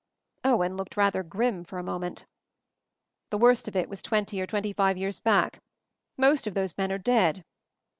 Owen looked rather grim for a moment. "The worst of it was twenty or twenty five years back. Most of those men are dead.